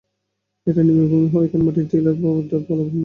এটা নিম্নভূমি হওয়ায় এখানে মাটির টিলা এবং ডাল-পালাবিহীন মরুবৃক্ষ ছিল।